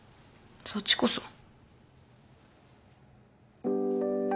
そっちこそ。